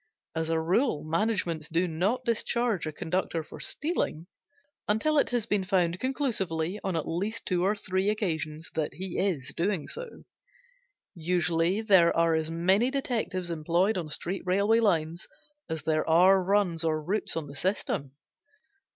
As a rule managements do not discharge a conductor for stealing until it has been found conclusively, on at least two or three occasions, that he is doing so. Usually there are as many detectives employed on street railway lines as there are runs or routes on the system.